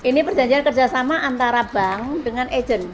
ini perjanjian kerjasama antara bank dengan agent